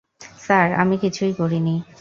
Sir, আমি কিছুই করিনি।